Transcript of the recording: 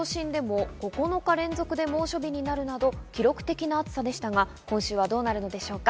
先週は東京都心でも９日連続で猛暑日になるなど記録的な暑さでしたが、今週はどうなるのでしょうか？